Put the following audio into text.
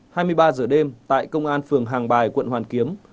hai mươi ba giờ đêm tại công an phường hàng bài quận hoàn kiếm